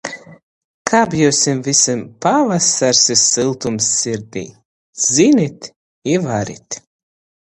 Kab jiusim vysim pavasars i syltums sirdī! Zynit i varit!!!